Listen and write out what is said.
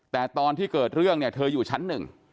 แต่ตอนที่เกิดเรื่องเนี่ยเธออยู่ชั้นหนึ่ง